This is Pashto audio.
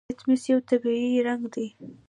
لتمس یو طبیعي رنګ دی.